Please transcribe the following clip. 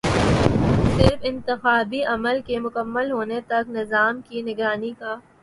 صرف انتخابی عمل کے مکمل ہونے تک نظام کی نگرانی کا